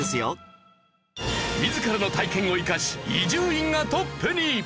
自らの体験を生かし伊集院がトップに！